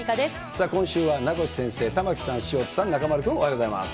さあ、今週は名越先生、玉城さん、潮田さん、中丸君、おはようございます。